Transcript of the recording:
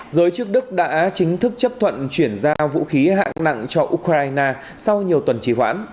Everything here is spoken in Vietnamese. giới chức đức đã chính thức chấp thuận chuyển giao vũ khí hạng nặng cho ukraine sau nhiều tuần trì hoãn